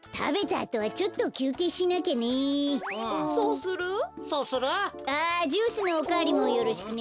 あジュースのおかわりもよろしくね。